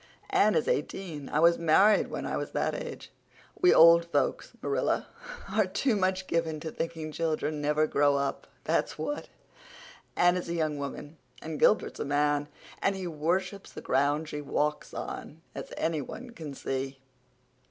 "Anne is eighteen; I was married when I was that age. We old folks, Marilla, are too much given to thinking children never grow up, that's what. Anne is a young woman and Gilbert's a man, and he worships the ground she walks on, as any one can see.